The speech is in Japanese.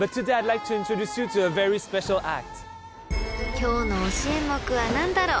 ［今日の推し演目は何だろう？］